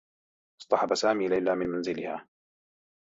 اصطحب سامي ليلى من منزلها.